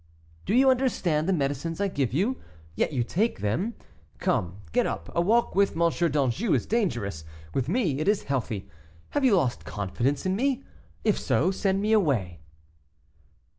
"Do you understand the medicines I give you? Yet you take them. Come, get up; a walk with M. d'Anjou is dangerous, with me it is healthy. Have you lost confidence in me? If so, send me away."